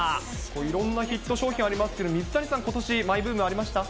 いろんなヒット商品ありますけど、水谷さん、ことしマイブームありました？